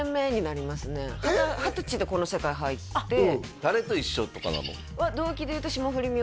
二十歳でこの世界入って誰と一緒とかなの？